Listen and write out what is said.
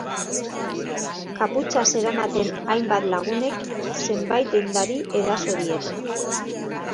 Kaputxa zeramaten hainbat lagunek zenbait dendari eraso diete.